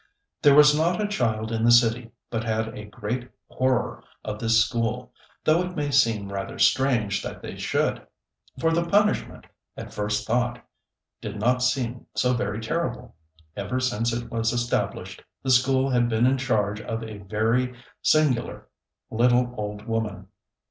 There was not a child in the city but had a great horror of this school, though it may seem rather strange that they should; for the punishment, at first thought, did not seem so very terrible. Ever since it was established, the school had been in charge of a very singular little old woman.